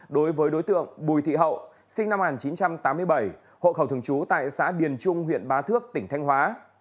đối với đối tượng bùi thị hậu sinh năm một nghìn chín trăm tám mươi bảy hộ khẩu thường trú tại xã điền trung huyện ba thước tỉnh thanh hóa